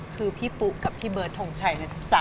คือพี่ปุ๊กกับพี่เบิร์ดทงชัยนะจ๊ะ